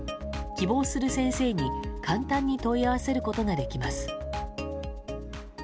希望する先生に簡単に問い合わせることができます。